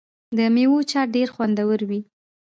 د میوو چاټ ډیر خوندور وي.